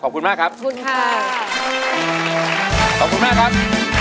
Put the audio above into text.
ขอบคุณมากครับขอบคุณค่ะขอบคุณมากครับ